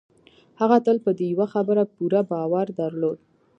هغه تل په دې يوه خبره پوره باور درلود.